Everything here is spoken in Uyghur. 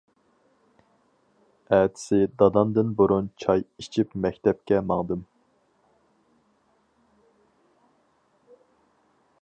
ئەتىسى دادامدىن بۇرۇن چاي ئىچىپ مەكتەپكە ماڭدىم.